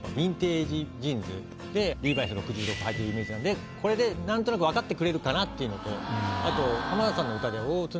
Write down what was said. リーバイス６６はいてるイメージなんでこれで何となく分かってくれるかなというのとあと浜田さんの歌で。